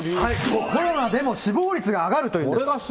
コロナでも死亡率が上がるというんです。